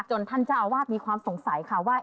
ท่านเจ้าอาวาสมีความสงสัยค่ะว่า